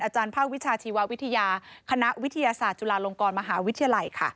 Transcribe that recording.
ภาควิชาชีววิทยาคณะวิทยาศาสตร์จุฬาลงกรมหาวิทยาลัยค่ะ